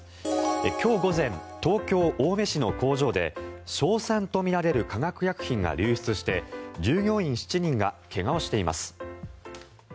今日午前、東京・青梅市の工場で硝酸とみられる化学薬品が流出して従業員７人が怪我をしています。